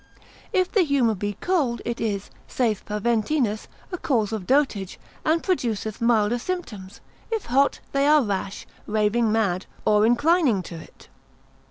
If the humour be cold, it is, saith Faventinus, a cause of dotage, and produceth milder symptoms: if hot, they are rash, raving mad, or inclining to it.